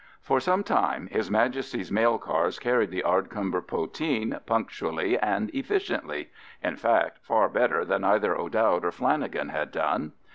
For some time His Majesty's mail cars carried the Ardcumber poteen punctually and efficiently—in fact, far better than either O'Dowd or Flanagan had done.